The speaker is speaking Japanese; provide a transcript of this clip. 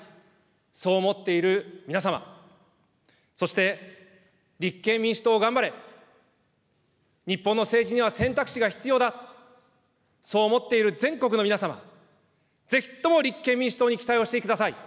そう思っている皆様、そして立憲民主党頑張れ、日本の政治には選択肢が必要だと、そう思っている全国の皆様、ぜひとも立憲民主党に期待をしてください。